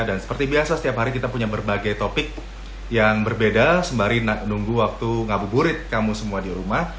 dan seperti biasa setiap hari kita punya berbagai topik yang berbeda sembari nunggu waktu ngabuburit kamu semua di rumah